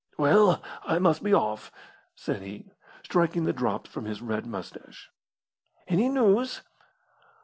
"Well, I must be off," said he, striking the drops from his red moustache. "Any news?"